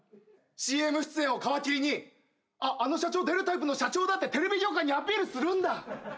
ＣＭ出演を皮切りにあっあの社長出るタイプの社長だってテレビ業界にアピールするんだ！